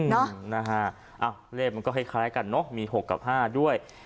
เนอะนะฮะอะเลขมันก็คล้ายคล้ายกันน็ะมีหกกับห้าด้วย